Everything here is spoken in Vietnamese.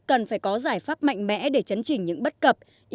cần phải có giải pháp mạnh mẽ để chấn chỉnh những bất cập